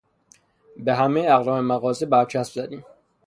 به همهی اقلام مغازه برچسب زدیم.